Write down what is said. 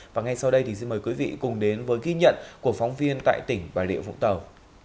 và ngay sau đây thì xin mời quý vị cùng đến với ghi nhận của phóng viên tại tỉnh bà rịa vũng tàu